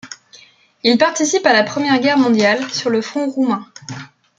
Il participe à la Première Guerre mondiale, sur le front roumain.